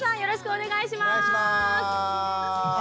お願いします。